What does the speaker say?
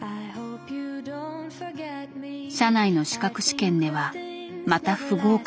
社内の資格試験ではまた不合格。